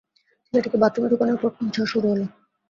ছেলেটিকে বাথরুমে ঢোকানোর পর খুব ঝড় শুরু হল।